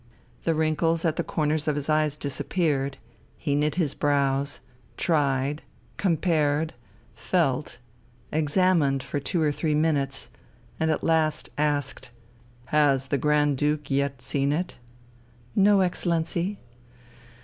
The wrinkles at the corners of his eyes disappeared, he knit his brows, tried, compared, felt, examined for two or three minutes, and at last asked: "Has the Grand Duke yet seen it?" "No, Excellency."